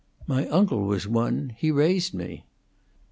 My uncle was one. He raised me."